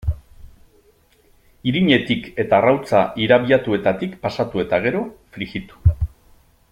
Irinetik eta arrautza irabiatuetatik pasatu eta gero, frijitu.